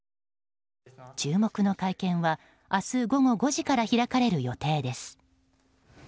注目の会見は明日午後５時から開かれる予定です。